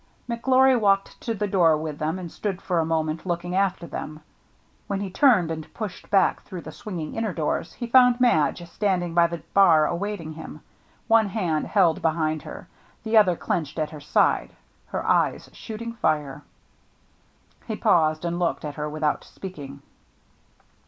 McGlory walked to the door with them, and stood for a moment looking after them. 6o THE MERRr ANNE When he turned and pushed back through the swinging inner doors, he found Madge standing by the bar awaiting him, one hand held behind her, the other clenched at her side, her eyes shooting fire. He paused, and looked at her without speaking.